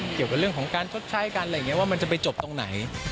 เกี่ยวกับเรื่องของการชดใช้กันอะไรอย่างนี้ว่ามันจะไปจบตรงไหน